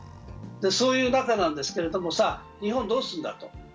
そういう中なんですけど、さあ日本はどうするんだと。